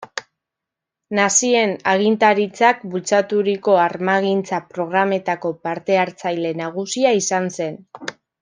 Nazien agintaritzak bultzaturiko armagintza-programetako parte-hartzaile nagusia izan zen.